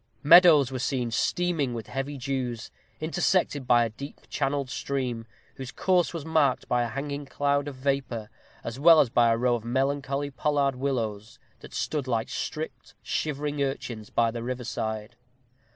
Meadows were seen steaming with heavy dews, intersected by a deep channelled stream, whose course was marked by a hanging cloud of vapor, as well as by a row of melancholy pollard willows, that stood like stripped, shivering urchins by the river side.